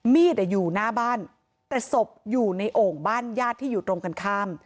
อยู่หน้าบ้านแต่ศพอยู่ในโอ่งบ้านญาติที่อยู่ตรงกันข้าม